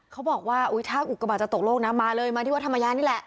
เขาบอกว่าถ้าอุกระบาดจะตกโลกนะมาเลยมาที่วัดธรรมยานี่แหละ